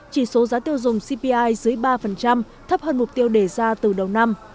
chỉ số giá tiêu dùng cpi dưới ba thấp hơn mục tiêu đề ra từ đầu năm